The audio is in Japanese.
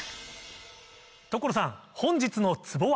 所さん本日のツボは？